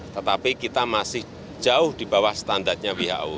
tetapi kita masih jauh di bawah standarnya who